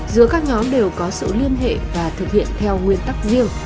giữa các nhóm đều có sự liên hệ và thực hiện theo nguyên tắc riêng